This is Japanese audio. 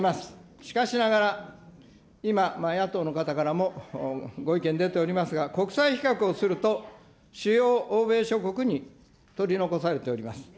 しかしながら、今、野党の方からもご意見出ておりますが、国際比較をすると、主要欧米諸国に取り残されております。